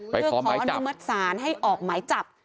เพื่อขออนุมัติศาลให้ออกหมายจับ